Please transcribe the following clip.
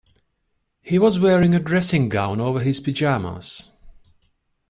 He was wearing a dressing gown over his pyjamas